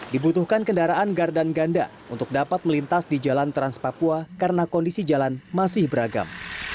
dibutuhkan kendaraan gardan ganda untuk dapat melintas di jalan trans papua karena kondisi jalan masih beragam